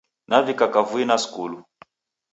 Navika kavui na skulu